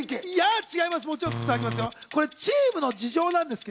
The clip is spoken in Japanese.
違います。